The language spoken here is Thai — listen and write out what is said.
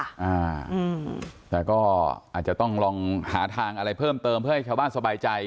อ่าอืมแต่ก็อาจจะต้องลองหาทางอะไรเพิ่มเติมเพื่อให้ชาวบ้านสบายใจ